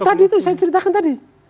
tadi itu saya ceritakan tadi